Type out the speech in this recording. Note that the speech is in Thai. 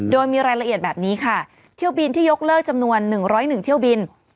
โดยมีรายละเอียดแบบนี้ค่ะเที่ยวบินที่ยกเลิกจำนวน๑๐๑เที่ยวบิน